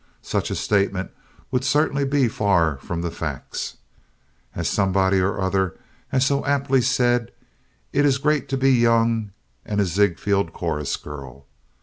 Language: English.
Such a statement would certainly be far from the facts. As somebody or other has so aptly said, "It's great to be young and a Ziegfeld chorus girl."